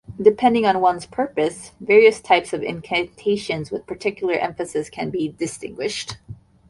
Depending on one's purpose, various types of incantations with particular emphases can be distinguished.